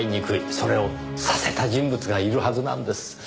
それをさせた人物がいるはずなんです。